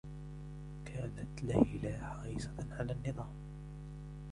كانت ليلى حريصة على النّظام.